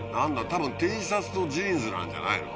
多分Ｔシャツとジーンズなんじゃないの？